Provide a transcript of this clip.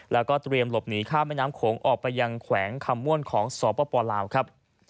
แล้วก็เตรียมหลบหนีข้ามแม่น้ำโขงออกไปยังแขวงคำม่วนของสปลาวครับ